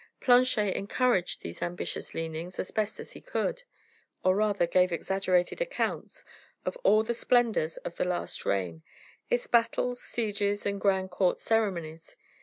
Planchet encouraged these ambitious leanings as best as he could. He talked over, or rather gave exaggerated accounts of all the splendors of the last reign, its battles, sieges, and grand court ceremonies.